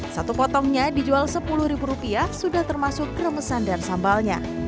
satu potongnya dijual sepuluh ribu rupiah sudah termasuk remesan dan sambalnya